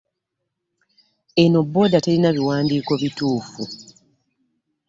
Eno booda terina biwandiiko bituufu.